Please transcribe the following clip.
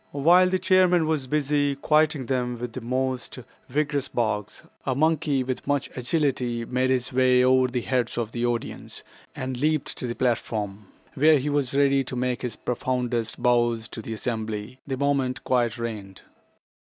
While the chairman was busy quieting them with most vigorous barks, a monkey with much agility made his way over the heads of the audience, and leaped to the platform, where he was ready to make his profoundest bows to the assembly the moment quiet reigned.